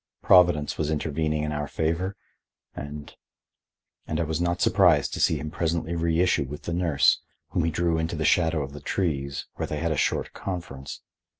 Providence was intervening in our favor, and I was not surprised to see him presently reissue with the nurse, whom he drew into the shadow of the trees, where they had a short conference.